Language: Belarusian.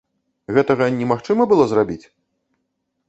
Гэтага немагчыма было зрабіць?